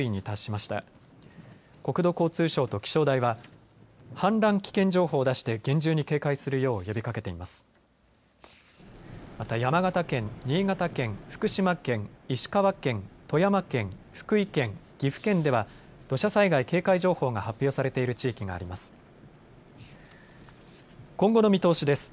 また山形県、新潟県、福島県、石川県、富山県、福井県、岐阜県では土砂災害警戒情報が発表されている地域があります。